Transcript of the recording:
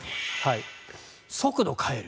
速度を変える。